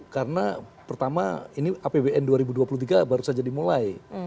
karena pertama ini apbn dua ribu dua puluh tiga baru saja dimulai